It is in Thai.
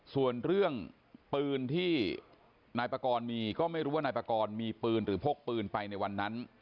ส่วนเรื่องปืนที่นายปากรมีก็ไม่รู้ว่านายปากรมีปืนหรือพกปืนไปในวันนั้น